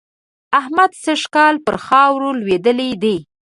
احمد سږ کال پر خاورو لوېدلی دی.